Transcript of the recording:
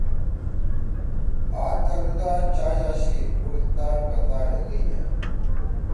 ہات تھلُو دا چاش آشی بُوڑ تارپتارے گئیا